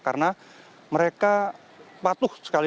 karena mereka patuh sekali